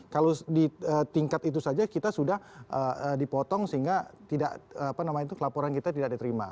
kalau di tingkat itu saja kita sudah dipotong sehingga tidak apa namanya itu laporan kita tidak diterima